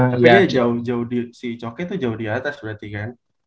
tapi dia jauh si coke tuh jauh di atas berarti kan